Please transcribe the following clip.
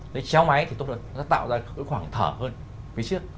lấy treo máy thì tốt lắm nó tạo ra cái khoảng thở hơn phía trước